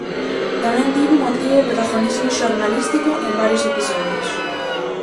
Tamén tivo un activo protagonismo xornalístico en varios episodios.